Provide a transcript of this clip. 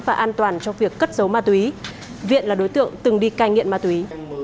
và an toàn cho việc cất giấu ma túy viện là đối tượng từng đi cai nghiện ma túy